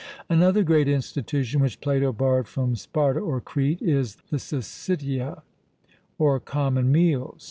Another great institution which Plato borrowed from Sparta (or Crete) is the Syssitia or common meals.